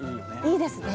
いいですね。